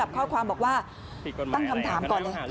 โรปพอเปอียแล้วคุณผู้ชมไปดูคลิปนี้กันหน่อยนะ